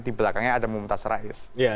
di belakangnya ada mumtaz rais